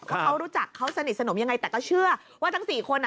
ว่าเขารู้จักเขาสนิทสนมยังไงแต่ก็เชื่อว่าทั้งสี่คนอ่ะ